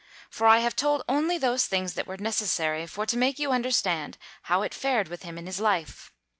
For I have told only those things that were necessary for to make you understand how it fared with him in his life.